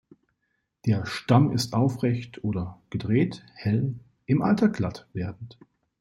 Der Stamm ist aufrecht oder gedreht, hell, im Alter glatt werdend.